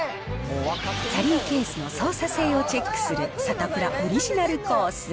キャリーケースの操作性をチェックする、サタプラオリジナルコース。